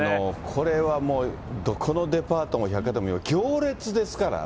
これはもう、どこのデパートも百貨店も行列ですからね。